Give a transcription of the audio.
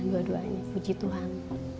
dua duanya puji tuhan